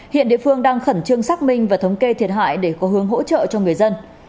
hiện địa phương đang khẩn trương xác minh và thống kê thiệt hại để có hướng hỗ trợ cho người dân